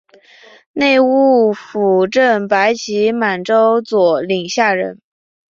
内务府正白旗满洲佐领下人。